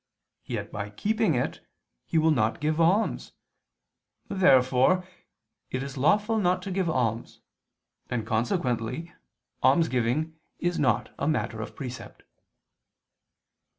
Yet by keeping it he will not give alms. Therefore it is lawful not to give alms: and consequently almsgiving is not a matter of precept.